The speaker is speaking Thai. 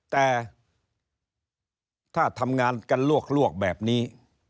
แต่ถ้าทำงานกันลวกแบบนี้